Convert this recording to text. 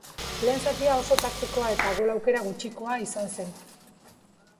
Lehen zatia oso taktikoa eta gol aukera gutxikoa izan zen.